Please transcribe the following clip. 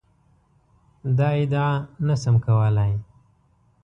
دا ادعا نه شم کولای.